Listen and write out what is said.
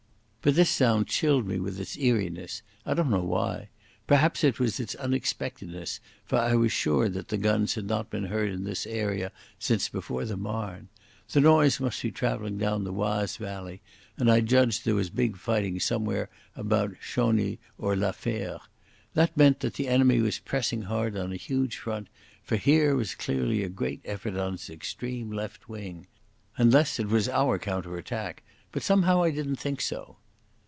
But this sound chilled me with its eeriness, I don't know why. Perhaps it was its unexpectedness, for I was sure that the guns had not been heard in this area since before the Marne. The noise must be travelling down the Oise valley, and I judged there was big fighting somewhere about Chauny or La Fere. That meant that the enemy was pressing hard on a huge front, for here was clearly a great effort on his extreme left wing. Unless it was our counter attack. But somehow I didn't think so.